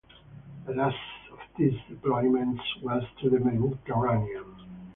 The last of these deployments was to the Mediterranean.